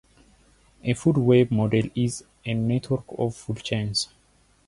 A food web model is a network of food chains.